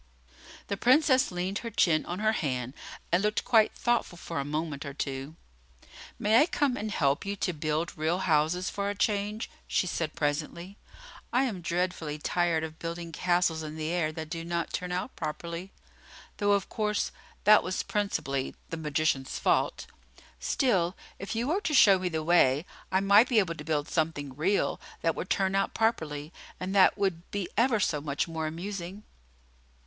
The Princess leaned her chin on her hand, and looked quite thoughtful for a moment or two. "May I come and help you to build real houses, for a change?" she said presently. "I am dreadfully tired of building castles in the air that do not turn out properly though, of course, that was principally the magician's fault! Still, if you were to show me the way, I might be able to build something real that would turn out properly; and that would be ever so much more amusing."